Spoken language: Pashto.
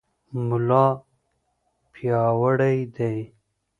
ملا پیاوړی دی.